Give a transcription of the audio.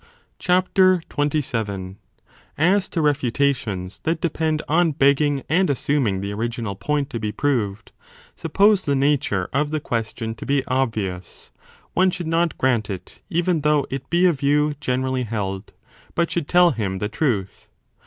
1 27 As to refutations that depend on begging and assuming 15 the original point to be proved, suppose the nature of the question to be obvious, 2 one should not grant it, even though it be a view generally held, but should tell him the truth.